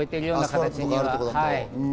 はい。